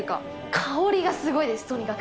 香りがすごいです、とにかく。